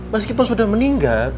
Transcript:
meskipun sudah meninggal